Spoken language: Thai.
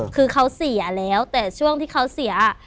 คือเขาเสียแล้วแต่ช่วงที่เขาเสีย